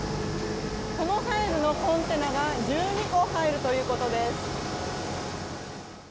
このサイズのコンテナが１２個入るということです。